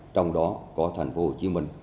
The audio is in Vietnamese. trong đó có thành phố hồ chí minh